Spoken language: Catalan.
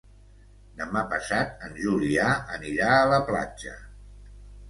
Demà passat en Julià anirà a la platja.